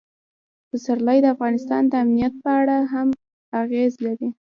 پسرلی د افغانستان د امنیت په اړه هم اغېز لري.